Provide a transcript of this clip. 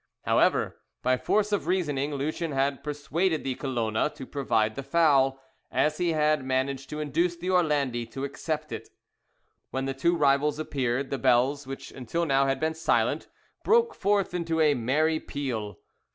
However, by force of reasoning, Lucien had persuaded the Colona to provide the fowl, as he had managed to induce the Orlandi to accept it. When the two rivals appeared, the bells, which until now had been silent, broke forth into a merry peal.